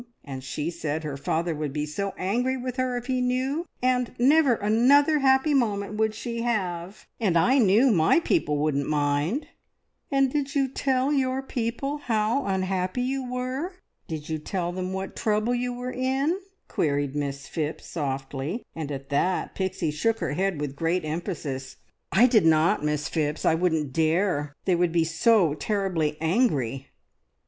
And she said her father would be so angry with her if he knew, that never another happy moment would she have, and I knew my people wouldn't mind!" "And did you tell your people how unhappy you were? Did you tell them what trouble you were in?" queried Miss Phipps softly, and at that Pixie shook her head with great emphasis. "I did not, Miss Phipps I wouldn't dare! They would be so terribly angry!"